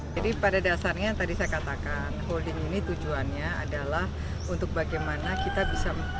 jadi pada dasarnya tadi saya katakan holding ini tujuannya adalah untuk bagaimana kita bisa memperbaiki